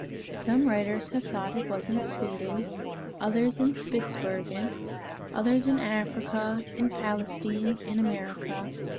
Some writers have thought it was in Sweden, others in Spitzbergen, others in Africa, in Palestine, in America.